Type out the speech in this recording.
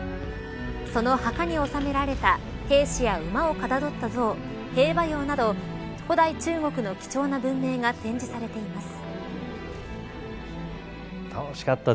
その墓に納められた兵士や馬をかたどった像兵馬俑など、古代中国の貴重な文明が展示されています。